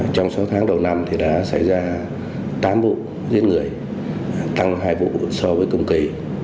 trong sáu tháng đầu năm đã xảy ra tám vụ giết người tăng hai vụ so với cùng kỳ